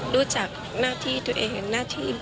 รู้จักหน้าที่ท่านค่ะ